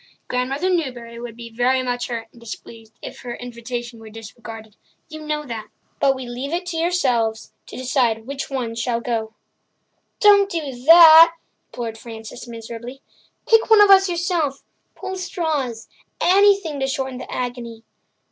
Grandmother Newbury would be very much hurt and displeased if her invitation were disregarded—you know that. But we leave it to yourselves to decide which one shall go." "Don't do that," implored Frances miserably. "Pick one of us yourself—pull straws—anything to shorten the agony."